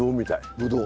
ぶどう。